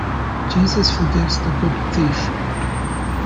Jesus forgives the good thief.